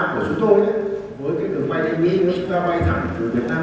đầu tiên là chúng ta phải có tàu bay từ biển bay từ đường dài và bay qua đại dương để bay đến mỹ